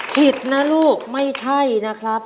ผิดนะลูกไม่ใช่นะครับ